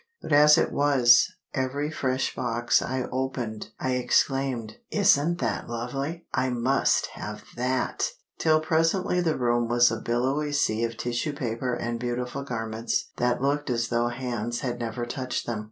But as it was, every fresh box I opened, I exclaimed, "Isn't that lovely! I must have that!" till presently the room was a billowy sea of tissue paper and beautiful garments that looked as though hands had never touched them.